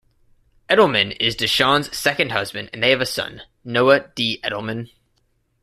Edelman is DeShannon's second husband and they have a son, Noah D. Edelman.